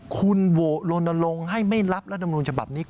คุณโหวตลนลงให้ไม่รับรัฐมนุนฉบับนี้